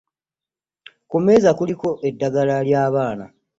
Ku meeza kuliko eddagala ly'abaana.